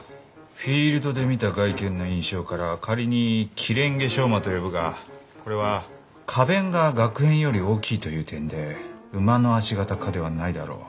フィールドで見た外見の印象から仮にキレンゲショウマと呼ぶがこれは花弁ががく片より大きいという点で毛科ではないだろう。